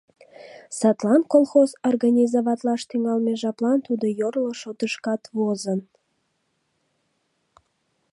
Садлан колхоз организоватлаш тӱҥалме жаплан тудо йорло шотышкат возын.